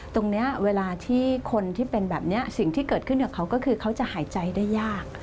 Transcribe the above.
ตรงนี้เวลาที่คนที่เป็นแบบนี้สิ่งที่เกิดขึ้นกับเขาก็คือเขาจะหายใจได้ยาก